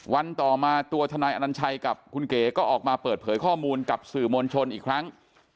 วันต่อมาตัวทนายอนัญชัยกับคุณเก๋ก็ออกมาเปิดเผยข้อมูลกับสื่อมวลชนอีกครั้ง